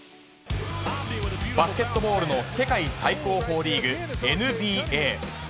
バスケットボールの世界最高峰リーグ、ＮＢＡ。